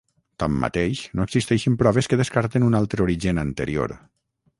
Tanmateix, no existeixen proves que descarten un altre origen anterior.